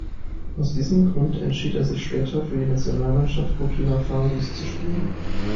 Aus diesem Grund entschied er sich später, für die Nationalmannschaft Burkina Fasos zu spielen.